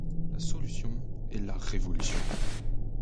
La solution est la révolution.